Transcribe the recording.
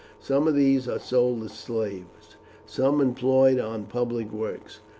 Some of these are sold as slaves; some are employed on public works.